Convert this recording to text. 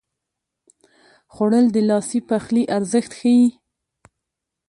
خوړل د لاسي پخلي ارزښت ښيي